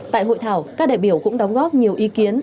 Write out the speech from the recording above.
tại hội thảo các đại biểu cũng đóng góp nhiều ý kiến